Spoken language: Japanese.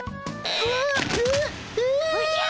おじゃ！